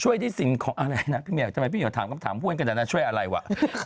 ช่วยได้สินของอะไรนะพี่แมวทำไมพี่เหนียวถามต้องถามพูดกันช่วยอะไรวะ